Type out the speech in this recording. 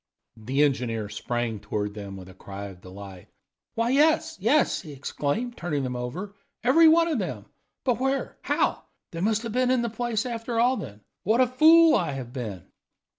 The engineer sprang toward them with a cry of delight. "Why, yes, yes," he exclaimed, turning them over, "every one of them! But where how they must have been in the place after all, then? What a fool I have been!"